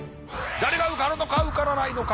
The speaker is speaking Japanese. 誰が受かるのか受からないのか。